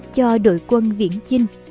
cho đội quân viễn chinh